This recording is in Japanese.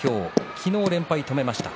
昨日連敗を止めました。